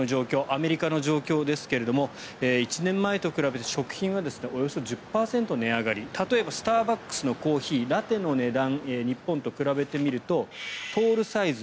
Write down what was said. アメリカの状況ですが１年前と比べて食品はおよそ１０％値上がり例えばスターバックスのコーヒーラテの値段を日本と比べてみるとトールサイズ